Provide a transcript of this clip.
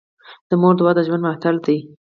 د مور دعا د ژوند ملاتړ ده.